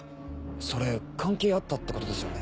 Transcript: それ関係あったってことですよね。